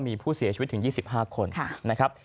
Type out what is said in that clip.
มีผู้เสียชีวิตถึง๒๕คน